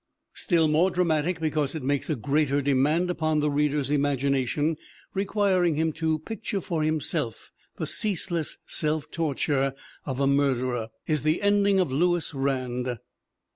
Still more dramatic because it makes a greater de mand upon the reader's imagination, requiring him to picture for himself the ceaseless self torture of a mur derer, is the ending of Lewis Rand.